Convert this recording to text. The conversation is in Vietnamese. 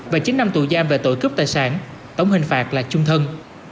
và chín năm tù giam về tội cướp tài sản tổng hình phạt là chung thân